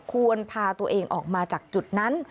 ควรพาตัวเองออกมาจากจุดนั้น